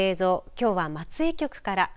きょうは松江局から。